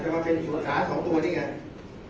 แต่ว่าไม่มีปรากฏว่าถ้าเกิดคนให้ยาที่๓๑